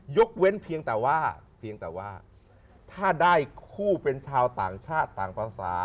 ยกเว้นเพียงแต่ว่าถ้าได้คู่เป็นชาวต่างชาติต่างภาษาค่อยว่ากัน